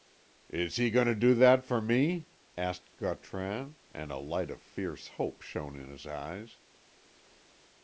"Is he going to do that for me?" asked Gautran, and a light of fierce hope shone in his eyes.